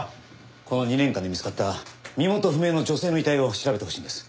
この２年間で見つかった身元不明の女性の遺体を調べてほしいんです。